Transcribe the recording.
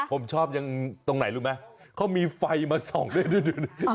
ผมชอบยังตรงไหนรู้ไหมเขามีไฟมาส่องด้วยดู